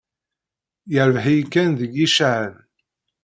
Yerbeḥ-iyi Ken deg yicahen.